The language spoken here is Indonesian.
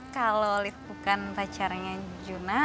kalau lift bukan pacarnya juna